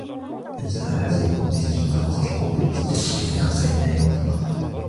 إِنَّ أَحَدَكُمْ يُجْمَعُ خَلْقُهُ فِي بَطْنِ أُمِّهِ أَرْبَعِينَ يَوْمًا نُطْفَةً،